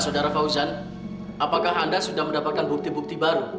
saudara fauzan apakah anda sudah mendapatkan bukti bukti baru